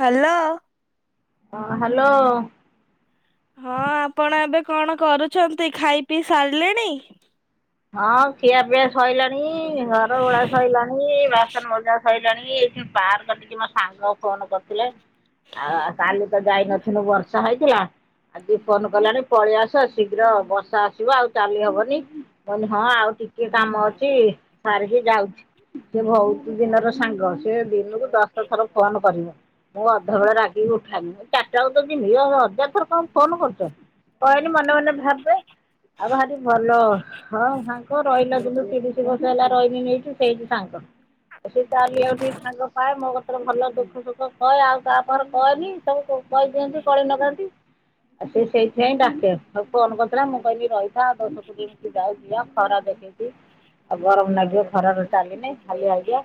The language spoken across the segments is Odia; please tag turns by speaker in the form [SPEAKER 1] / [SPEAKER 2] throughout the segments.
[SPEAKER 1] ହ୍ୟାଲୋ।
[SPEAKER 2] ହଁ ହ୍ୟାଲୋ।
[SPEAKER 1] ହଁ ଆପଣ ଏବେ କଣ କରୁଛନ୍ତି ଖାଇ ପିଇ ସାରିଲେଣି?
[SPEAKER 2] ହଁ ଖିଆ ପିଆ ସଇଲାଣି ଘର ଓଳା ସଇଲାଣି ବାସନ ମଜା ସଇଲାଣି ଏଇଠି ପାର୍କଟିକି ମୋ ସାଙ୍ଗ ଫୋନ କରିଥିଲେ ଆ ଆଉ କାଲି ତ ଯାଇନଥିନୁ ବର୍ଷା ହେଇଥିଲା ଆଉ ଆଜି ଫୋନ କଲାଣି ପଳେଇ ଆସ ଶୀଘ୍ର ବର୍ଷା ଆସିବ ଆଉ ଚାଲି ହବନି। କହିନି ହଁ ଆଉ ଟିକେ କାମ ଅଛି ସାରିକି ଯାଉଛି ସେ ବହୁତ ଦିନର ସାଙ୍ଗ ସେ ଦିନକୁ ଦଶଥର ଫୋନ କରିବ। ମୁଁ ଅଧା ବଳେ ରାଗି ଉଠ ଚାରିଟା ବେଳୁ ତ ଜିମି ଇଏ ହଜାର ଥର କଣ ଫୋନ କରୁଚ କହିଲି ମନେ ମନେ ଭାବେ ଆଉ ଭାରି ଭଲ ହଁ ସାଙ୍ଗ ରହିଲା ଦିନୁ ତିରିଶ ବର୍ଷ ହେଲା ରହିଲିଣି ଏଇଠି ସେଇଠି ସାଙ୍ଗ ସେ ଚାଲିଆକୁ ଟିକେ ସାଙ୍ଗ ପାଏ ମୋ କତିରେ ଭଲ ଦୁଃଖ ସୁଖ କହେ ଆଉ ତା ପାଖରେ କହେନି ସବୁ କହିଦିଅନ୍ତି କଳି ନଥାନ୍ତି ଆଉ ସେ ସେଇଥିପାଇଁ ଡାକେ ଆଉ ଫୋନ କରିଥିଲା ମୁଁ କହିଲି ରହିଥା ଆଉ ଦଶ କୋଡିଏ କେ ଜାଉ ଯିବା ଖରା ଦେଖିକି ଆଉ ଗରମ ନାଗିବ ଖରାରେ ଚାଲିନେ ହାଲିଆ ହେଇଯିବା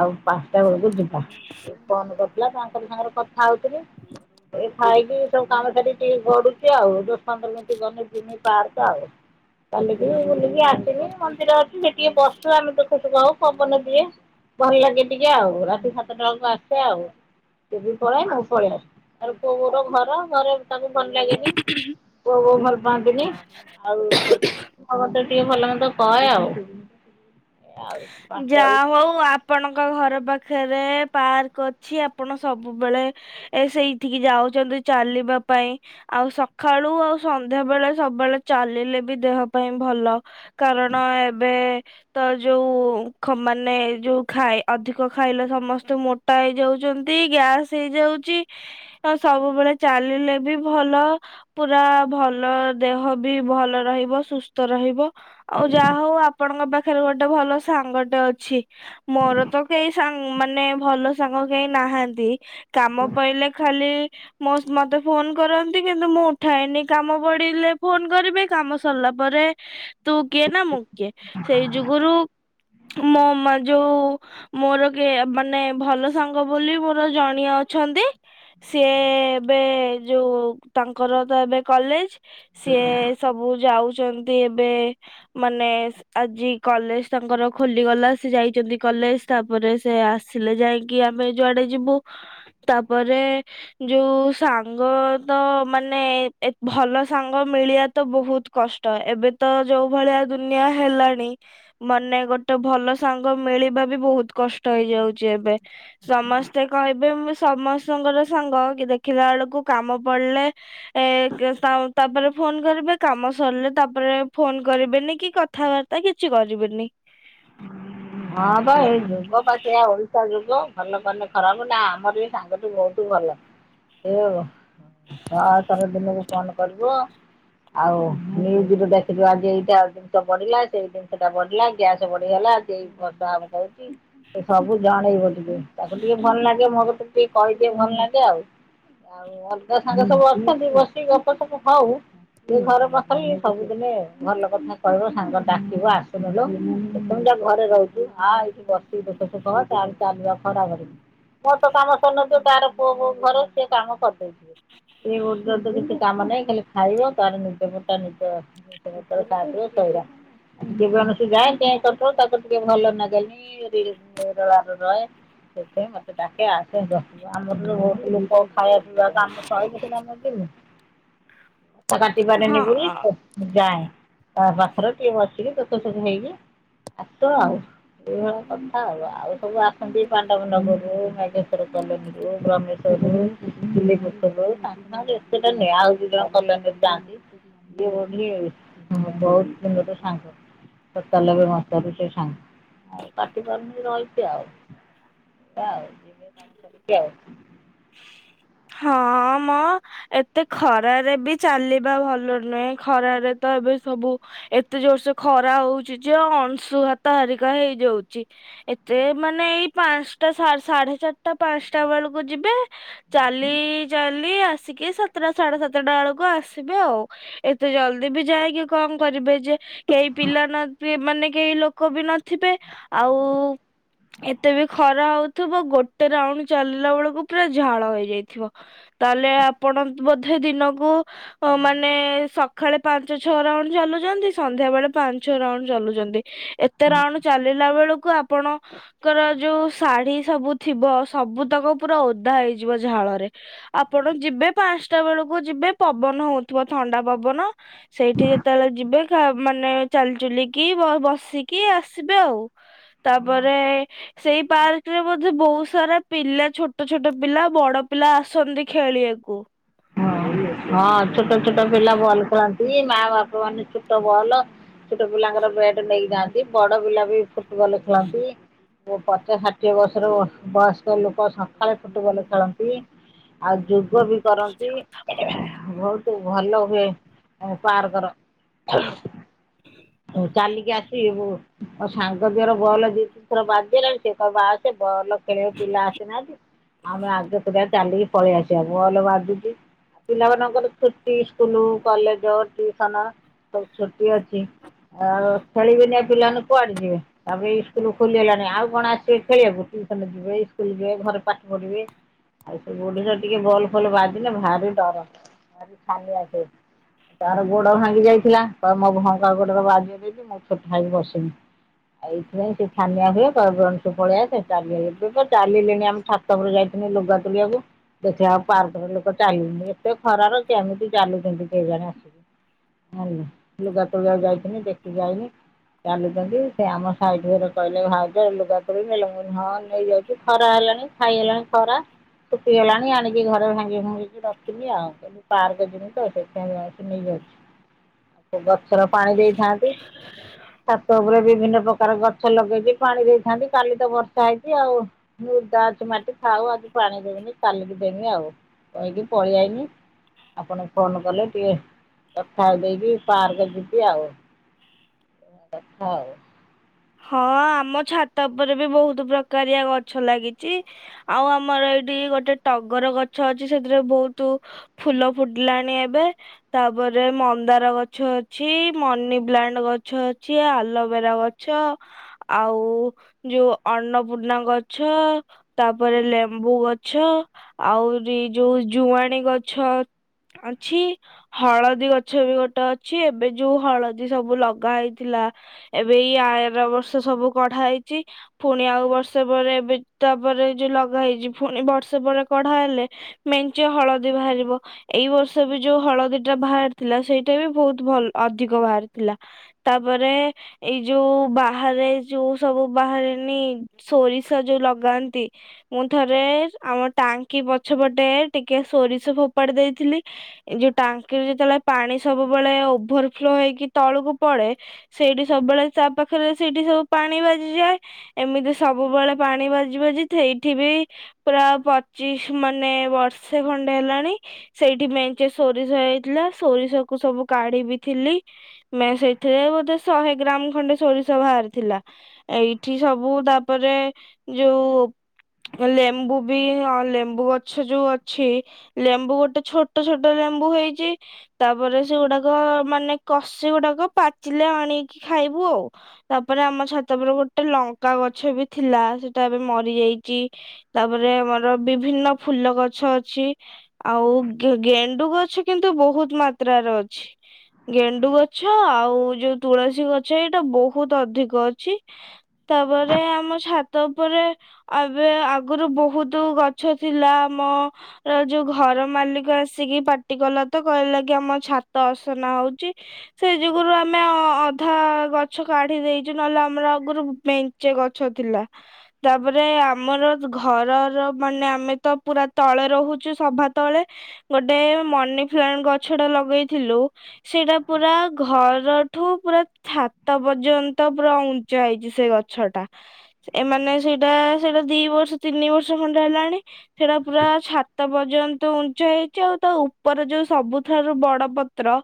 [SPEAKER 2] ଆଉ ପାଞ୍ଚଟା ବେଳକୁ ଯିବା ଫୋନ କରିଥିଲା ତାଙ୍କର ସାଙ୍ଗରେ କଥା ହଉଥିଲି ଏ ଖଇକି ସବୁ କାମ ସିକି ଟିକେ ଗଡୁଛି ଆଉ ଦଶ ପନ୍ଦର ମିନିଟ ଗନେ ଯିବି ପାର୍କ ଆଉ। ଚାଲିିକି ବୁଲିକି ଆସିବି ମନ୍ଦିର ଅଛି ସେ ଟିକେ ବସୁ ଆମେ ଦୁଃଖ ସୁଖ ହଉ ପବନ ଦିଏ ଭଲ ଲାଗେ ଟିକେ ଆଉ ରାତି ସାତଟା ବେଳକୁ ଆସେ ଆଉ ସିଏ ବି ପଳାଏ ମୁଁ ପଳେଇ ଆସେ ଆ ପୁଅ ବୋହୁର ଘର ଘରେ ତାଙ୍କୁ ଭଲ ଲାଗେନି ଓହ। ଭଲ ପାଆନ୍ତିନି ଆଉ ସେଇଠି ହଁ ମତେ ଟିକେ ଭଲ ମନ୍ଦ କହେ ଆଉ। ଆଉ ପାଞ୍ଚଟା
[SPEAKER 1] ଯାହା
[SPEAKER 2] ବେଳକୁ
[SPEAKER 1] ହଉ ଆପଣଙ୍କ ଘର ପାଖ ପାଖରେ ପାର୍କ ଅଛି ଆପଣ ସବୁବେଳେ ଏ ସେଇଠିକି ଯାଉଛନ୍ତି ଚାଲିବା ପାଇଁ ଆଉ ସକାଳୁ ଆଉ ସନ୍ଧ୍ୟା ବେଳେ ସବୁବେଳେ ଚାଲିଲେ ବି ଦେହ ପାଇଁ ଭଲ କାରଣ ଏବେ ତ ଯୋଉ ମାନେ ଯୋଉ ଖାଇ ଅଧିକ ଖାଇଲେ ସମସ୍ତେ ମୋଟା ହେଇଯାଉଛନ୍ତି ଗ୍ୟାସ ହେଇଯାଉଛି ସବୁବେଳେ ଚାଲିଲେ ବି ଭଲ ପୁରା ଭଲ ଦେହ ବି ଭଲ ରହିବ ସୁସ୍ଥ ରହିବ ଆଉ ଯାହା ହଉ ଆପଣଙ୍କ ପାଖରେ ଗୋଟେ ଭଲ ସାଙ୍ଗଟେ ଅଛି। ମୋର ତ କେହି ସାଙ୍ଗ ମାନେ ଭଲ ସାଙ୍ଗ କେହି ନାହାନ୍ତି। କାମ ପାଇଲେ ଖାଲି ମୋ ମତେ ଫୋନ କରନ୍ତି କିନ୍ତୁ ମୁଁ ଉଠାଇନି କାମ ପଡିଲେ ଫୋନ କରିବେ କାମ ସରିଲା ପରେ ତୁ କିଏ ନା ମୁଁ କିଏ ସେଇ ଯୁଗରୁ ମୋ ମା ଯୋଉ ମୋର କି ମାନେ ଭଲ ସାଙ୍ଗ ବୋଲି ମୋର ଜଣିଆ ଅଛନ୍ତି ସିଏ ଏବେ ଯୋଉ ତାଙ୍କର ତ ଏବେ କଲେଜ ସିଏ ସବୁ ଯାଉ ଏବେ ମାନ ଆଜି କଲେ ତାଙ୍କର ଖୋଲିଗଲା ସେ ଯାଇଛନ୍ତି କଲେଜ ତାପରେ ସେ ଆସିଲେ ଯାଇକି ଆମେ ଯୁଆଡେ ଯିବୁ ତାପରେ ଯୋଉ ସାଙ୍ଗ ତ ମାନେ ଭଲ ସାଙ୍ଗ ମିଳିବା ତ ବହୁତ କଷ୍ଟ ଏବେ ତ ଯୋଉ ଭଳିଆ ଦୁନିଆ ହେଲାଣି ମାନେ ଗୋଟେ ଭଲ ସାଙ୍ଗ ମିଳିବା ବି ବହୁତ କଷ୍ଟ ହେଇଯାଉଛି ଏବେ ସମସ୍ତେ କହିବେ ମୁ ସମସ୍ତଙ୍କର ସାଙ୍ଗ କି ଦେଖିଲା ବେଳକୁ କାମ ପଡିଲେ ଏ ତାପରେ ଫୋନ କରିବେ କାମ ସରିଲେ ତାପରେ ଫୋନ କରିବେନି କି କଥାବାର୍ତ୍ତା କିଛି କରି ବେନି
[SPEAKER 2] ହଁ ପା ଏଇ ଯୁଗ ପା ସେଇଆ ଓଲଟା ଯୁଗ ଭଲ କରିନେ ଖରାପ ନା ଆମର ବି ସାଙ୍ଗ ଟୁ ବହୁତ ଭଲ ଏଇ ଆଉ ହଁ ସାରା ଦିନ ଫୋନ କରିବ ଆଉ ନ୍ୟୁଜ ରେ ଦେଖିବା ଯେ ଏଇଟା ଜିନିଷ ବଢିଲା ସେଇ ଜିନିଷଟା ବଢିଲା ଗ୍ୟାସ ବଢିଗଲା ସେଉଛି ସବୁ ଜଣେଇବ ଟିକେ ତାକୁ ଟିକେ ଭଲ ଲାଗେ ମୋ କତେ ଟିକେ କହିଦିଏ ଭଲ ଲାଗେ ଆଉ ଆଉ ଅଲଗା ସାଙ୍ଗ ସବୁ ଅଛନ୍ତି ବସିକ ଗଛ ସବୁ ହଉ ଟେ ଘରେ ପଖରେ ସବୁଦିନେ ଭଲ କଥା କହିବ ସାଙ୍ଗ ଡାକିବ ଆସୁନୋଲୋ। ଘରେ ରହିଛି ହ ଏଇଠି ବଷିକି ଦୁଖ ସୁଖ ଚାଲିବା ଖରା ହରିନି ମୋ ତ କାମ ସନଥିବ ତାର ପୁଅ ବୋଉ ଘର ସିଏ କାମ କରିଦେଇଥିବ ସେୋ ଯଦି କିଛି କାମ ନାହିଁ ଖାଲି ଖାଇବ ତାର ନିଜ ବୋଟା ନିଜରେ ଖାଦିବ ସଇରା ଯେ ସେ ଯାଏ। ତାକୁ ଟିକେ ଭଲ ଲାଗେନି। ରହେ ସେଥିପାଇଁ ମୋତେ ଡାକେ। ଆସେ ଆମର ଲ ଖାଇବା ପିଇବା ପାଇଁ ବହୁତ ଲୋକ ଆମ କହିଲେ ସିନା ଯିମୁ। କାଟିପାରେନି ବୋଲି
[SPEAKER 1] ହଁ
[SPEAKER 2] ଯାଏ। ତା ପାଖରେ ଟିକେ ବସିକି ଦୁଃଖ ସୁଖ ହେଇକି। ଆସ ଆଉ ଏଇଭଳିଆ କଥା ଆଉ ଆଉ ସବୁ ଆସନ୍ତି। ପାଣ୍ଡବ ନଗରରୁ ନାଗେଶ୍ଵର କଲୋନୀରୁୁ ବ୍ରହ୍ମେସ୍ୱରରୁ ରିଲପର ରୁ ସାଙ୍ଗ ଏତେଟା ନହଁ ଆଉ ଦି ଜଣ କଲୋନୀ ରେ ଯାଆନ୍ତି ବହୁତ ଦିନରେ ସାଙ୍ଗ ସତାଲବେ ମସିହା - ସବୁ ସେ ସାଙ୍ଗ। ଆଉ କାଟି ପାରୁନି ରହିଛି ଆଉ [unintelligible] ଆଉ।
[SPEAKER 1] ହଁ ମ ଏତେ ଖରାରେ ବି ଚାଲିବା ଭଲ ନୁହେଁ ଖରାରେ ତ ଏବେ ସବୁ ଏତେ ଜୋରସ ଖରା ହଉଛି ଯେ ଅଂଶୁଘାତ ହାରିକା ହେଇଯାଉଚି। ଏତେ ମାନେ ଏଇ ପାଞ୍ଚଟା ସାଢେ ଚାରିଟା ପାଞ୍ଚଟା ବେଳକୁ ଯିବେ ଚାଲି ଚାଲି ଆସିକି ସାତଟା ସାଢେ ସାତଟା ବେଳକୁ ଆସିବେ ଆଉ ଏତେ ଜଲଦି ବି ଯାଇକି କଣ କରିବେ ଯେ। କେହି ପିଲା ନଥିବେ ମାନେ କେହି ଲୋକ ବି ନଥିବେ ଆଉ ଏତେ ବି ଖରା ହଉଥିବ ଗୋଟେ ରାଉଣ୍ଡ ଚାଲିଲା ବେଳକୁ ପୁରା ଝାଳ ହେଇ ଇଥିବ ତାହେଲେ ଆପଣ ବୋଧେ ଦିନକୁ ମାନେ ସକାଳେ ପାଞ୍ଚ ଛଅ ରାଉଣ୍ଡ ଚାଲୁଚନ୍ତି ସନ୍ଧ୍ୟା ବେଳେ ପାଞ୍ଚ ଛଅ ରାଉଣ୍ଡ ଚାଲୁଚନ୍ତି। ଏତେ ରାଉଣ୍ଡ ଚାଲିଲା ବେଳକୁ ଆପଣ ଙ୍କର ଯୋଉ ଶାଢୀ ସବୁ ଥିବ ସବୁ ତାକୁ ପୁରା ଓଧା ହେଇଯିବ। ଝାଳରେ ଆପଣ ଯିବେ ପାଞ୍ଚଟା ବେଳକୁ ଯିବେ ପବନ ହଉଥିବ ଥଣ୍ଡା ପବନ ସେଇଠି ଯେତେବେଳେ ଯିବେ ମାନେ ଚାଲିଚୁଲିକି ବସିକି ଆସିବେ ଆଉ ତାପରେ ସେଇ ପାର୍କରେ ବୋଧେ ବହୁତ ସାରା ପିଲା ଛୋଟ ଛୋଟ ପିଲା ବଡ ପିଲା ଆସନ୍ତି ଖେଳିବାକୁ।
[SPEAKER 2] ହଁ ହଁ। ଛୋଟ ଛୋଟ ପିଲା ବଲ ଖେଳନ ମା ବାପା ମାନେ ଛୋଟ ବଲ ଛୋଟ ପିଲାଙ୍କର ବେଟ ନେଇକ ଯାଆନ୍ତି। ବଡ ପିଲା ବି ଫୁଟବଲ ଖେଳନ୍ତି ପଚା ଷାଠିଏ ବର୍ଷର ବୟସ୍କ ଲୋକ ଲୋକ ସକାଳେ ଫୁଟବଲ ଖେଳନ୍ତି ଆଉ ଯୋଗ ବି କରନ୍ତି। ବହୁତ ଭଲ ହୁଏ ପାର୍କର ଚାଲିକି ଆସିବୁ ଆ ସାଙ୍ଗ ଦେହର ଭଲ ଦି ଥର ବାଜିଲାଣି ସେ କହିବ ଆଉ ସେ ବଲ ଖେଳ ପିଲା ଆସିନାହାନ୍ତି ଆମେ ଆଗେତୁରିଆ ଚାଲିକି ପଳେଇ ଆସିବା ବଲ୍ ବାଜୁଚି। ପିଲାମାନଙ୍କର ଛୁଟି ଇସ୍କୁଲ କଲେଜ ଟ୍ୟୁସନ ସବୁ ଛୁଟି ଅଛି ଆଉ ଖେଳିବେନି ପିଲାମାନେ କୁଆଡେ ଯିବେ ତାପରେ ଇସ୍କୁଲ ଖୋଲିଗଲାଣି ଆଉ କଣ ଆସିବେ ଖେଳି ବାକୁୁ ଟିୟୁସନ ଯିବେ ସ୍କୁଲ ଯିବେ ଘରେ ପାଠ ପଢିବେ ଆଉ ସବୁ ଓଡିରେ ଟିକେ ବଲ୍ ଭଲ ବ ଭାରି ଡର ଭାରି ଛାନିଆ ହୁଏ ତାର ଗୋଡ ଭାଙ୍ଗି ଯାଇଥିଲା। କହ ମୋ ଭଙ୍କା ଗୋଡର ବାଯିବ ଯଦି ମୁଁ ଛୋଟା ହୋଇକି ବସିବି ଆଉ ଏଇଥିପାଇଁ ସେ ଛାନିଆ ହୁଏ କହେ ବେଣୁଶୁ ପଳେ ଆସେ ଚାଲିଆ ଏ ଚାଲିଲେଣି ଆମେ ଛାତରେ ଯାଇଥିଲି ଲୁଗା ତୋଳିଆକୁ ଦେଖିଲ ଆଉ ପାର୍କରେ ଲୋକ ଚାଲନି ଏତେ ଖରାର କେମିତି ଚାଲୁଛନ୍ତି କେଜାଣି ହୁଁ ଆସିବେ ଲୁଗା ତୋଳିବାକୁ ଯାଇିଥିଲି ଦେଖିକି ଆଇଲି ଚାଲୁଚନ୍ତି ସେ ଆମ ସାଇଟ୍ ଘରେ କହିଲେ ଭାଉଜ ଲୁଗା ତୋଳି ନେଲ ମୁଁ କହିଲି ହଁ ନେଇଯାଉଚି ଖରା ହେଲାଣି ଛାଇ ହେଲାଣି ଖରା ଶୁଖିଗଲାଣି ଆଣିକି ଘରେ ଭାଙ୍ଗିଭୁଙ୍ଗି ରଖିନି ଆଉ ପାର୍କ ଯିମି ତ ସେଥିପାଇଁ ନେଇ ଯାଉଛି। ଆଉ ଗଛର ପାଣି ଦେଇଥାନ୍ତି ଛାତ ଉପରେ ବିଭିନ୍ନ ପ୍ରକାର ଗଛ ଲଗେଇଛି ପାଣି ଦେଇଥାନ୍ତି। କାଲି ତ ବର୍ଷା ହେଇଛି ଆଉ ମୁର୍ଦା ଅଛି ମାଟି ଥାଉ ଆଜି ପାଣି ଦେବିନି କାଲିକି ଦେମି ଆଉ କହିକି ପଳେଇଆାଇନି। ଆପଣ ଫୋନ କଲେ ଟିକେ କଥା ଦେଇକି ପାର୍କ ଯିବି ଆଉ। କଥା ଆଉ
[SPEAKER 1] ହଁ ଆମ ଛାତ ଉପରେ ବି ବହୁତ ପ୍ରକାରିଆ ଗଛ ଲାଗିଛି। ଆଉ ଆମର ଏଇଠି ଗୋଟେ ଟଗର ଗଛ ଅଛି, ସେଥିରେ ବହୁତ ଫୁଲ ଫୁଟିଲାଣି ଏବେ ତାପରେ ମନ୍ଦାର ଗଛ ଅଛି, ମନି ପ୍ଲାଣ୍ଟ ଗଛ ଅଛି ଆଲୋଭେରା ଗ ଆଉ ଯୋଉ ଅନ୍ନପୂର୍ଣ୍ଣା ଗଛ, ତାପରେ ଲେମ୍ବୁ ଗଛ, ଆହୁରି ଯୋଉ ଜୁଆଣି ଗଛ ଅଛି, ହଳଦୀ ଗଛ ବି ଗୋଟେ ଅଛି, ଏବେ ଯୋଉ ହଳଦୀ ସବୁ ଲଗା ହେଇଥିଲା ଏବେ ଏଇ ଆର ବର୍ଷ ସବୁ କଢା ହେଇଛି। ପୁଣି ଆଉ ବର୍ଷେ ପରେ, ଏବେ ତାପରେ ଯୋଉ ଲଗା ହେଇଛି ପୁଣି ବର୍ଷେ ପରେ କଢା ହେଲେ ମେଞ୍ଚେ ହଳଦୀ ବାହାରିବ। ଏଇ ବର୍ଷ ବି ଯୋଉ ହଳଦୀ ଟା ବାହାରିଥିଲା ସେଇଟା ବି ବହୁତ ଭଲ ଅଧିକ ବାହାରିଥିଲା ତାପରେ ଏଇ ଯୋଉ ବାହାରେ ଯୋଉ ସବୁ ବାହାରେନି ସୋରିଷ ଯୋଉ ଲଗାନ୍ତି। ମୁଁ ଥରେ ଆମ ଟାଙ୍କି ପଛ ପଟେ ଟିକେ ସୋରିଷ ଫୋପାଡି ଦେଇଥିଲି। ଏ ଯୋଉ ଟାଙ୍କିରେ ଯେତେବେଳେ ପାଣି ସବୁବେଳେ ଓଭର ଫ୍ଲୋ ହେଇକି ତଳକୁ ପଡେ ସେଇଠି ସବୁବେଳେ ତା ପାଖରେ ସେଇଠି ସବୁ ପାଣି ବାଜିଯାଏ। ଏମିତି ସବୁବେଳେ ପାଣି ବାଜି ବାଜି ସେଇଠି ବି ପୁରା ପଚିଶ ମାନେ ବର୍ଷେ ଖଣ୍ଡେ ହେଲାଣି, ସେଇଠି ମେଞ୍ଚେ ସୋରିଷ ହେଇଥିଲା, ସୋରିଷ କୁ ସବୁ କାଢି ବି ଥିଲି। ମ ସେଇଥିରେ ଶହେ ଗ୍ରାମ ଖଣ୍ଡେ ସୋରିଷ ବାହାରିଥିଲା। ଏଇଠି ସବୁ ତାପରେ ଯୋଉ ଲେମ୍ବୁ ବି ଲେମ୍ବୁ ଗଛ ଯୋଉ ଅଛି। ଲେମ୍ବୁ ଗୋଟେ ଛୋଟ ଛୋଟ ଲେମ୍ବୁ ହେଇଛି ତାପରେ ସେଗୁଡାକ ମାନେ କଷି ଗୁଡାକ ପାଚିଲେ ଆଣି ଖାଇବୁ ଆଉ ତାପରେ ଆମ ଛାତପରେ ଗୋଟେ ଲଙ୍କା ଗଛ ବି ଥିଲା, ସେଟା ଏବେ ମରିଯାଇଛି। ତାପରେ ଆମର ବିଭିନ୍ନ ଫୁଲ ଗଛ ଅଛି, ଆଉ ଗେଣ୍ଡୁ ଗଛ କିନ୍ତୁ ବହୁତ ମାତ୍ରାର ଅଛି ଗେଣ୍ଡୁ ଗଛ ଆଉ ତୁଳସୀ ଗଛ ଏଇଟା ବହୁତ ଅଧିକ ଅଛି। ତାପରେ ଆମ ଛାତ ଉପରେ ଏବେ ଆଗରୁ ବହୁତ ଗଛ ଥିଲା। ଆମର ଯୋଉ ଘର ମାଲିକ ଆସିକି ପାଟି କଲା ତ, କହିଲା କି ଆମ ଛାତ ଅସନା ହଉଛି। ସେ ଯୁଗରୁ ଆମେ ଅଧା ଗଛ କାଢି ଦେଇଛୁ। ନହେଲେ ଆମର ଆଗରୁ ମେଞ୍ଚେ ଗଛ ଥିଲା। ତାପରେ ଆମର ଘରର ମାନେ ଆମେ ତ ପୁରା ତଳେ ରହୁଛୁ। ସବା ତଳେ ଗୋଟେ ମନି ପ୍ଲାଣ୍ଟ ଗଛଟା ଲଗେଇଥିଲୁ ସେଇଟା ପୁରା ଘର ଠୁ ପୁରା ଛାତ ପର୍ଯ୍ୟନ୍ତ ପୁରା ଉଞ୍ଚା ହେଇଛି ସେ ଗଛଟା। ଏମାନେ ସେଇଟା ସେଇଟା ଦି ବର୍ଷ ତିନି ବର୍ଷ ଖଣ୍ଡେ ହେଲାଣି। ସେଇଟା ପୁରା ଛାତ ପର୍ଯ୍ୟନ୍ତ ଉଞ୍ଚା ହେଇଛି ଆଉ ତା ଉପର ଯୋଉ ସବୁଠାରୁ ବଡ ପତ୍ର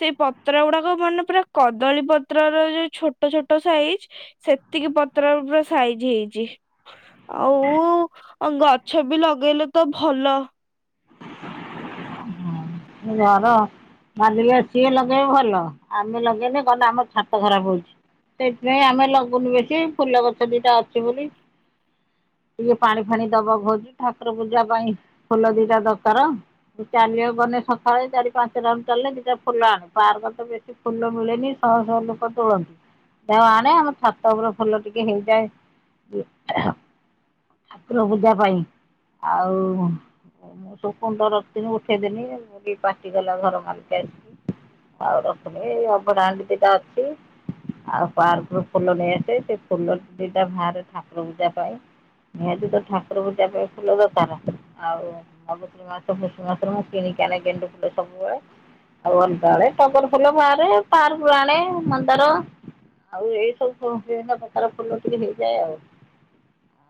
[SPEAKER 1] ସେଇ ପତ୍ର ଗୁଡାକ ମାନେ ପୁରା କଦଳୀ ପତ୍ର ର ଯୋଉ ଛୋଟ ଛୋଟ ସାଇଜ, ସେତିକି ପତ୍ର ପୁରା ସାଇଜ ହେଇଛି। ଆଉ ଗଛ ବି ଲଗେଇଲେ ତ ଭଲ।
[SPEAKER 2] ଘର ମାଲିକ ସିଏ ଲଗେଇବ ଭଲ ଆମେ ଲଗେଇଲେ ଆମର ଛାତ ଖରାପ ହଉଛି। ସେଥିପାଇଁ ଆମେ ଲଗୁଉନୁ ବେଶୀ, ଫୁଲ ଗଛ ଦିଟା ଅଛି ବୋଲି ଟିକେ ପାଣି ଫାଣି ଦବାକୁ ହଉଛି। ଠାକୁର ପୂଜା ପାଇଁ ଫୁଲ ଦିଟା ଦରକାର ଚାଲିବା ଗଲେ- ସକାଳେ ଚାରି ପାଞ୍ଚଟା ଚାଲିଲେ ଦିଟା ଫୁଲ ଆଣେ ପାର୍କରେ ତ ବେଶୀ ଫୁଲ ମିଳେନି ଶହ ଶହ ଲୋକ ତୋଳନ୍ତି ଯହା ଆଣେ ଆମ ଛାତ ଉପର ଫୁଲ ଟିକେ ହେଇଯାଏ ଠାକୁର ପୂଜା ପାଇଁ ଆଉ ସୁକୁଣ୍ଡ ରଖିନି ଉଠେଇଦେନି ପାଟିଗଲା ଘର ମଲିକି ଆସିକି ଆଉ ରଖମେ ଏଇ ଅଭଡାହାଣ୍ଡି ଦିଟା ଅଛି ଆଉ ପାର୍କରୁ ଫୁଲ ନେଇଆସେ ସେ ଫୁଲ ଦିଟା ବାହାରେ ଠାକୁର ପୂଜା ପାଇଁ ନିହାତି ତ ଠାକୁର ପୂଜା ପାଇଁ ଫୁଲ ଦରକାର ଆଉ ଭାବତ୍ରୀ ମାସଷ ମାସରେ ମୁଁ କିଣିକି ଆ ଗେଣ୍ଡୁ ଫୁଲ ସବୁବେଳେ ଆଉ ଅଟା ବଳେ ଟବର ଫୁଲ ବାହାରେ ପାର୍ ଆଣେ ମନ୍ଦାର ଆଉ ଏଇ ସବୁ ବିଭିନ୍ନ ପ୍ରକାର ଫୁଲ ଟିକେ ହେଇଯାଏ ଆଉ।